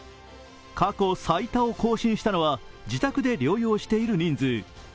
過去最多を更新したのは、自宅で療養している人数。